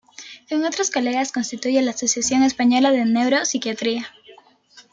Con otros colegas constituye la Asociación Española de Neuropsiquiatría.